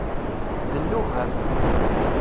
D nnuba-m.